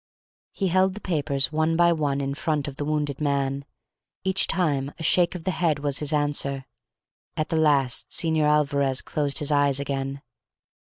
He held the papers, one by one, in front of the wounded man, and each time a shake of the head was his answer. At the last Señor Alvarez closed his eyes again.